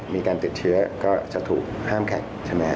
มีการติดเชื้อก็จะถูกห้ามแข็ง